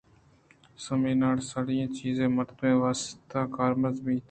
سَمی ناساڑی ئیں چیز ءُ مردمے واست ءَ کارمرز بیت۔